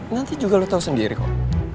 nanti juga lo tahu sendiri kok